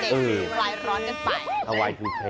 เออเอาไวทูเค